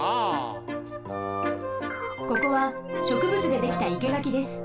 ここはしょくぶつでできた生け垣です。